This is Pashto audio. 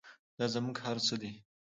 دا زموږ هر څه دی؟